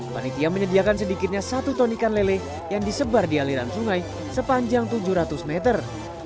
panitia menyediakan sedikitnya satu ton ikan lele yang disebar di aliran sungai sepanjang tujuh ratus meter